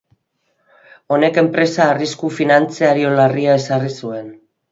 Honek enpresa arrisku finantzario larria ezarri zuen.